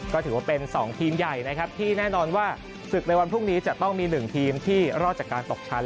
ก็ถือว่าเป็น๒ทีมใหญ่นะครับที่แน่นอนว่าศึกในวันพรุ่งนี้จะต้องมี๑ทีมที่รอดจากการตกชั้น